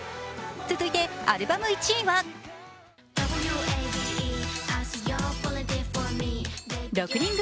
続いてアルバム１位は６人組